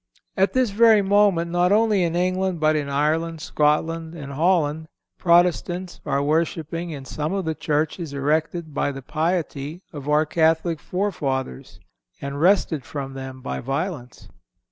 At this very moment not only in England, but in Ireland, Scotland and Holland, Protestants are worshiping in some of the churches erected by the piety of our Catholic forefathers and wrested from them by violence.